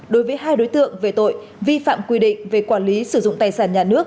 đối với hai đối tượng về tội vi phạm quy định về quản lý sử dụng tài sản nhà nước